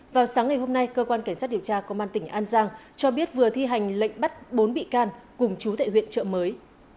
vào sáng ngày hôm nay cơ quan cảnh sát điều tra công an tỉnh an giang cho biết vừa thi hành lệnh bắt bốn bị can cùng chú tại huyện trợ mới